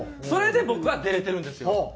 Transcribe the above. それで僕は出れてるんですよ。